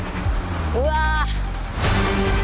うわ！